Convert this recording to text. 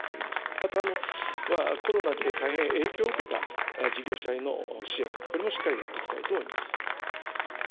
また、コロナで大変影響を受けた事業者への支援、これもしっかりやっていきたいと思います。